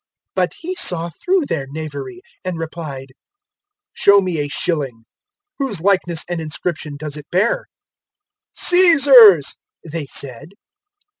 020:023 But He saw through their knavery and replied, 020:024 "Show me a shilling; whose likeness and inscription does it bear?" "Caesar's," they said.